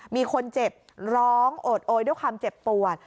มีคนเจ็บร้องโอดโอยด้วยความเจ็บปวด